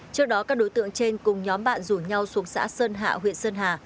trước đó các đối tượng trên cùng nhóm bạn rủ nhau xuống xã sơn hạ huyện sơn hà